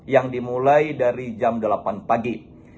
yang dimulai dari jam delapan pagi